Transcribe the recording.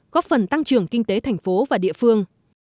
góp phần tăng trưởng kinh tế thành phố và địa phương